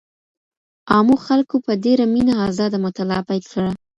عامو خلګو په ډېره مينه ازاده مطالعه پيل کړه.